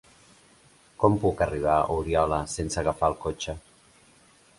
Com puc arribar a Oriola sense agafar el cotxe?